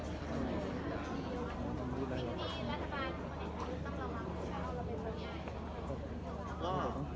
ต้องระวังพวกเดียวกัน